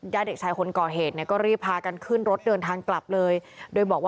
ย่าเด็กชายคนเกาะเหตุเนี่ยก็รีบพากันขึ้นรถเดินทางกลับเลย